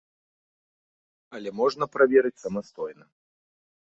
Але можна праверыць самастойна.